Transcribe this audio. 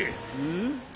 ん？